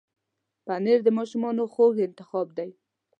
پنېر د ماشومانو خوږ انتخاب دی.